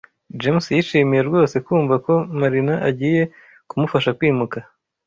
James yishimiye rwose kumva ko Marina agiye kumufasha kwimuka.